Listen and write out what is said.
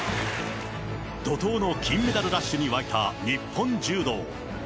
怒とうの金メダルラッシュに沸いた日本柔道。